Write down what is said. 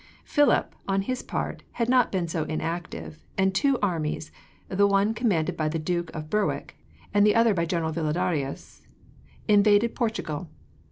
"Philip, on his part, had not been so inactive, and two armies the one commanded by the Duke of Berwick, and the other by General Villadarias invaded Portugal.